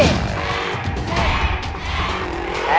แพงแพง